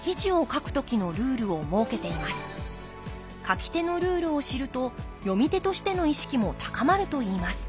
書き手のルールを知ると読み手としての意識も高まるといいます